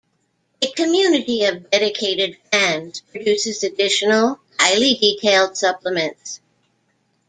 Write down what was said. A community of dedicated fans produces additional highly-detailed supplements.